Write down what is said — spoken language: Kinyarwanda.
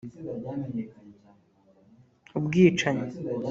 Ubwicanyi